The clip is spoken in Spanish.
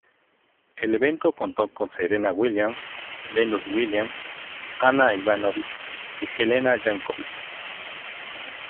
El evento contó con Serena Williams, Venus Williams, Ana Ivanovic y Jelena Jankovic.